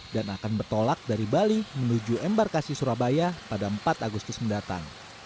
dan akan bertolak dari bali menuju embarkasi surabaya pada empat agustus mendatang